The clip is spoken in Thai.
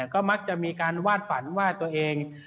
ก็มักจะมีการวาดฝันว่าตัวเอง